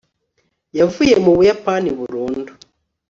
yavuye mu buyapani burundu